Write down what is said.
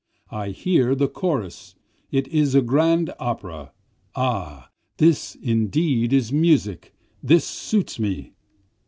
I hear the chorus, it is a grand opera, Ah this indeed is music this suits me.